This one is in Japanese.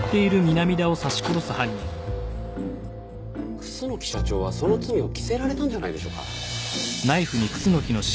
楠木社長はその罪を着せられたんじゃないでしょうか？